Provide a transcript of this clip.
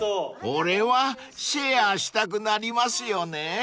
［これはシェアしたくなりますよね］